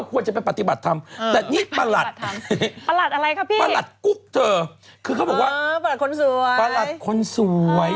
การรับบริจาคเลือดตอนนี้